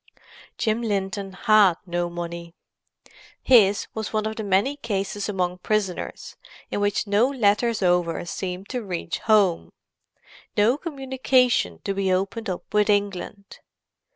Jim Linton had no money. His was one of the many cases among prisoners in which no letters over seemed to reach home—no communication to be opened up with England.